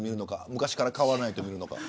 昔から変わらないと見るのか。